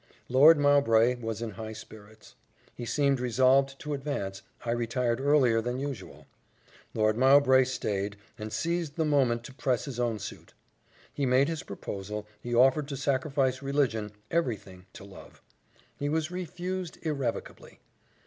Lord Mowbray was in high spirits he seemed resolved to advance I retired earlier than usual. Lord Mowbray stayed, and seized the moment to press his own suit. He made his proposal he offered to sacrifice religion every thing to love. He was refused irrevocably.